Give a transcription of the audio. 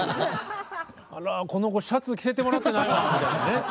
「あらこの子シャツ着せてもらってないわ」みたいなね。